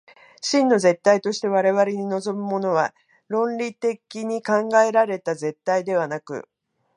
真の絶対として我々に臨むものは、論理的に考えられた絶対ではなく、